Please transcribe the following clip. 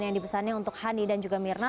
yang dipesannya untuk hani dan juga mirna